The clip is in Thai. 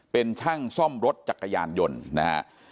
เป็นช่างซ่อมรถจักรยานยนต์นะฮะ